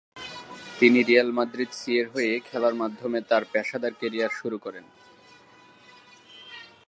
তিনি Real Madrid সি-এর হয়ে খেলার মাধ্যমে তার পেশাদার ক্যারিয়ার শুরু করেন।